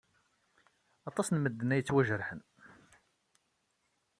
Aṭas n medden ay yettwajerḥen.